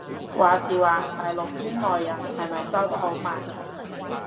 話時話大陸圈內人係咪收得好埋